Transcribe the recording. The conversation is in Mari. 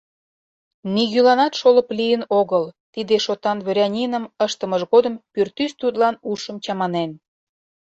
Нигӧланат шолып лийын огыл: тиде шотан дворяниным ыштымыж годым пӱртӱс тудлан ушым чаманен.